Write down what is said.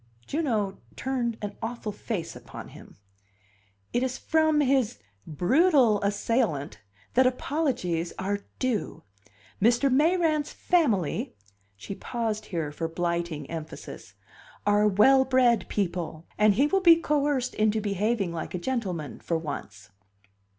Juno turned an awful face upon hint. "It is from his brutal assailant that apologies are due. Mr. Mayrant's family" (she paused here for blighting emphasis) "are well bred people, and he will be coerced into behaving like a gentleman for once."